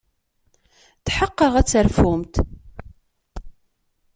Tḥeqqeɣ ad terfumt.